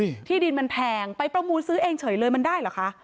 ที่ดินมันแพงไปประมูลซื้อเองเฉยเลยมันได้เหรอคะ